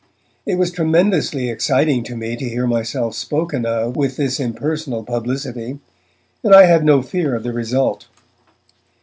It was tremendously exciting to me to hear myself spoken of with this impersonal publicity, and I had no fear of the result.